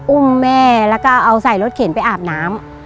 อุ้มแม่แล้วก็เอาใส่รถเข็นไปอาบน้ำ